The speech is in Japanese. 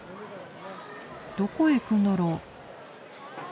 どこへ行くんだろう。